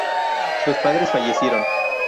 Sus padres fallecieron.